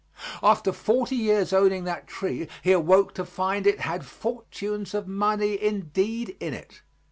After forty years owning that tree he awoke to find it had fortunes of money indeed in it.